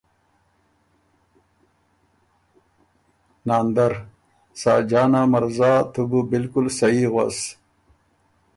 ناندر ـــ”ساجانا مرزا تُو بو بالکل سهي غوَس